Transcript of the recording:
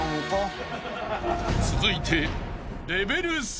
［続いて］